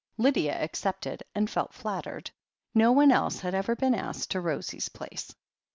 Lydia accepted, and felt flattered. No one else had ever been asked to Rosie's place.